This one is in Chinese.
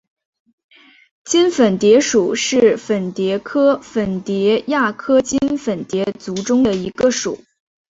襟粉蝶属是粉蝶科粉蝶亚科襟粉蝶族中的一个属。